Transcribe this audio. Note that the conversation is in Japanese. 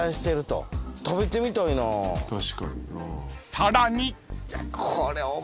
［さらに！］